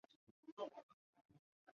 大湖神庙的历史年代为唐代。